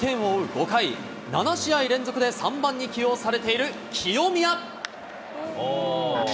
５回、７試合連続で３番に起用されている清宮。